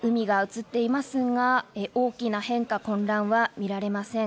海が映っていますが、大きな変化、混乱は見られません。